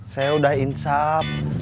saya udah insap